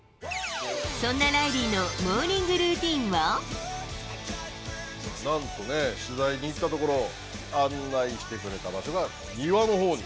そんなライリーのモーニングなんとね、取材に行ったところ、案内してくれた場所が、庭のほうに。